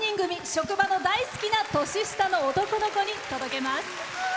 職場の大好きな年下の男の子に届けます。